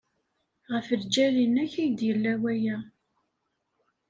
Ɣef ljal-nnek ay d-yella waya.